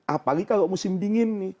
apalagi kalau musim dingin nih